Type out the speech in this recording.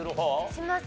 します。